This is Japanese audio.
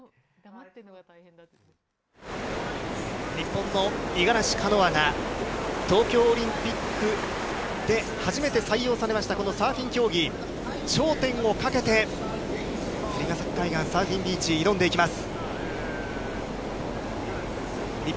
日本の五十嵐カノアが、東京オリンピックで初めて採用されました、このサーフィン競技、頂点をかけて、釣ヶ崎海岸サーフィンビーチ、挑んでいきます。